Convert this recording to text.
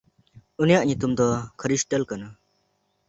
ᱩᱱᱤᱭᱟᱜ ᱧᱩᱛᱩᱢ ᱫᱚ ᱠᱷᱨᱭᱥᱴᱟᱞ ᱠᱟᱱᱟ᱾